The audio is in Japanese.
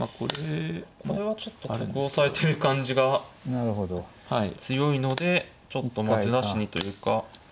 これはちょっと得をされてる感じが強いのでちょっとずらしにというか。